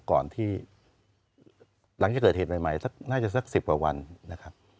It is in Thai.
ก่อนที่หลังเกิดเหตุใหม่นะจังสัก๑๐กว่าวันนะครับ